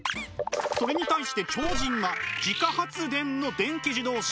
それに対して超人は自家発電の電気自動車。